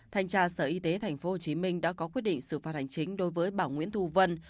thanh tra sở y tế tp hcm đã có quyết định xử phạt hành chính đối với bảo nguyễn thu vân